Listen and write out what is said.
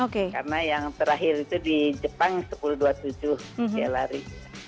karena yang terakhir itu di jepang sepuluh dua puluh tujuh dia lari